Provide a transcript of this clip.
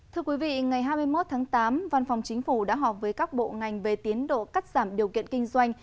thưa quý vị ngày hai mươi một tháng tám văn phòng chính phủ đã họp với các bộ ngành về tiến độ cắt giảm điều kiện kinh doanh